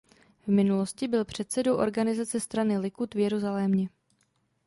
V minulosti byl předsedou organizace strany Likud v Jeruzalémě.